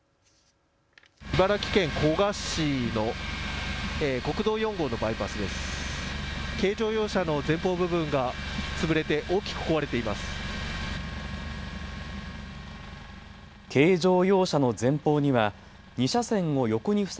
茨城県古河市の国道４号のバイパスです。